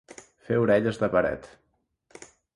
Fer orelles de paret.